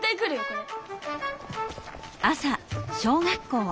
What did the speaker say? これ。